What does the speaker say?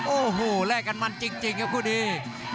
โอ้โหแลกกันมันจริงครับคู่นี้